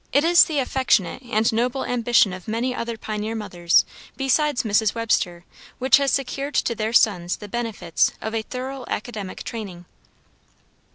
It is the affectionate and noble ambition of many other pioneer mothers besides Mrs. Webster which has secured to their sons the benefits of a thorough academical training.